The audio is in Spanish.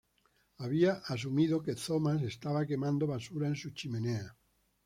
Había asumido que Thomas estaba quemando basura en su chimenea.